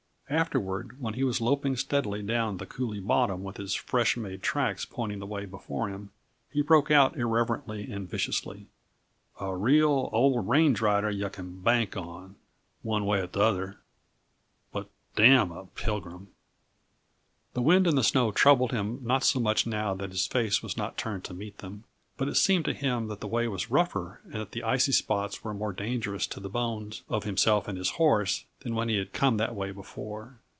Afterward, when he was loping steadily down the coulée bottom with his fresh made tracks pointing the way before him, he broke out irrelevantly and viciously: "A real, old range rider yuh can bank on, one way or the other but damn a pilgrim!" The wind and the snow troubled him not so much now that his face was not turned to meet them, but it seemed to him that the way was rougher and that the icy spots were more dangerous to the bones of himself and his horse than when he had come that way before.